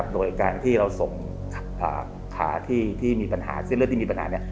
โดยการที่เราส่งขาที่มีปัญหาเส้นเลือดที่มีปัญหา